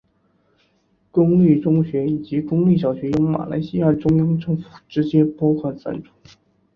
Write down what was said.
公立中学以及公立小学由马来西亚中央政府直接拨款赞助。